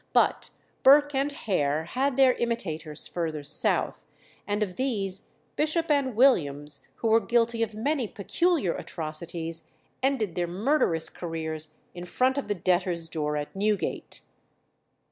But Burke and Hare had their imitators further south, and of these Bishop and Williams, who were guilty of many peculiar atrocities, ended their murderous careers in front of the debtors' door at Newgate.